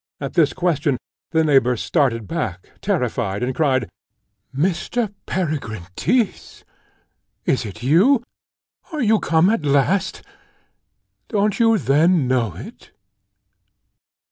At this question the neighbour started back, terrified, and cried, "Mr. Peregrine Tyss! Is it you? Are you come at last? Don't you then know it?"